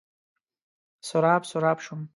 سراب، سراب شوم